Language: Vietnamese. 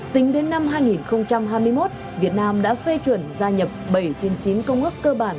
tính đến năm hai nghìn hai mươi một việt nam đã phê chuẩn gia nhập bảy trên chín công ước cơ bản